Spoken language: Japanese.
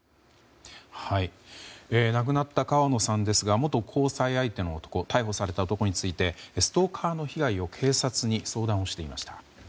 亡くなった川野さんですが元交際相手の男逮捕された男についてストーカーの被害を警察に相談をしていました。